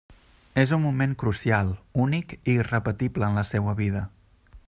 És un moment crucial, únic i irrepetible en la seua vida.